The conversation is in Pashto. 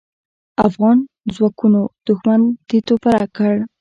افغان ځواکونو دوښمن تيت و پرک کړ.